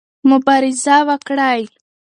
مبارزه وکړئ.